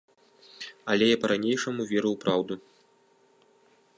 Але я па-ранейшаму веру ў праўду.